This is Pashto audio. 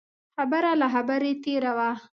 خبره له خبرې تېره وه.